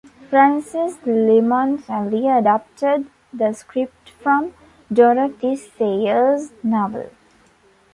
Frances Limoncelli adapted the script from Dorothy Sayers' novel.